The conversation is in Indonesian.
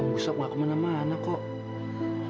om gustaf nggak kemana mana kok